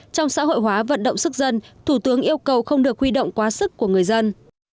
trong xã hội hóa vận động sức dân thủ tướng yêu cầu không được huy động quá sức của người dân